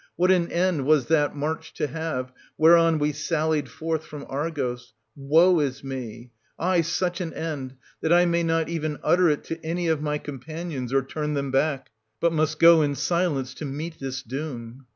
What an end was that march to have, whereon we sallied forth from Argos: woe is me !— aye, such an end, that I may not even utter it to any of my companions, or turn them back, but must go in silence to meet this doom.